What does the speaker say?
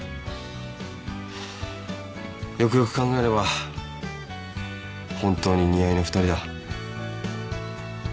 よくよく考えれば本当に似合いの２人だ。